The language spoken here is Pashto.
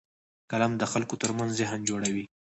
قلم د خلکو ترمنځ ذهن جوړوي